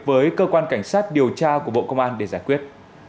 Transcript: với cơ quan cảnh sát điều tra của bộ công an để giải quyết